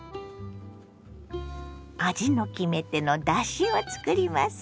味の決め手のだしを作ります。